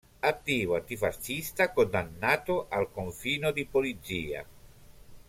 Attivo antifascista, condannato al confino di polizia.